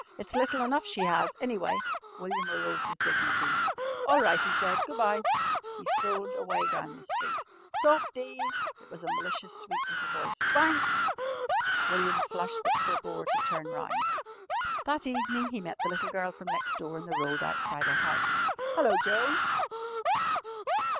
It's little enough she 'as, anyway." William arose with dignity. "All right," he said. "Go' bye." He strolled away down the street. "Softie!" It was a malicious sweet little voice. "Swank!" William flushed but forbore to turn round. That evening he met the little girl from next door in the road outside her house. "Hello, Joan!"